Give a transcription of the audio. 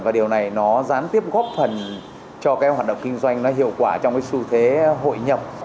và điều này nó gián tiếp góp phần cho cái hoạt động kinh doanh nó hiệu quả trong cái xu thế hội nhập